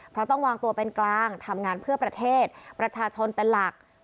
เพราะต้องวางตัวเป็นกลางทำงานเพื่อประเทศประชาชนเป็นหลัก